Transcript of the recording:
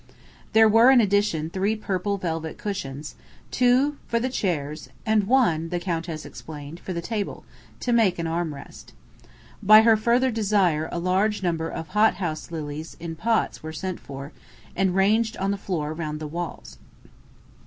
There were in addition three purple velvet cushions: two for the chairs and one the Countess explained for the table, to "make an arm rest." By her further desire a large number of hot house lilies in pots were sent for, and ranged on the floor round the walls.